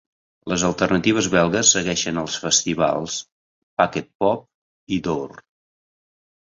Les alternatives belgues segueixen als festivals Pukkelpop i Dour.